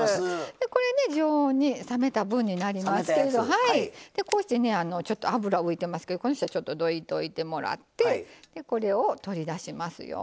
これね常温に冷めた分になりますけれどちょっと脂浮いてますけどどいといてもらってこれを取り出しますよ。